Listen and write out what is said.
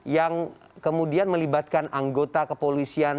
yang kemudian melibatkan anggota kepolisian